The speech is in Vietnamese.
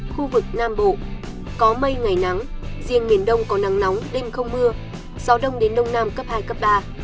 khu vực nam bộ có mây ngày nắng riêng miền đông có nắng nóng đêm không mưa gió đông đến đông nam cấp hai cấp ba